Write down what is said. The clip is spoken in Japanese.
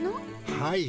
はい。